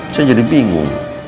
saya jadi bingung